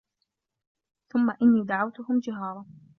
ثُمَّ إِنّي دَعَوتُهُم جِهارًا